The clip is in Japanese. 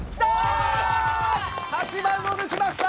８番を抜きました。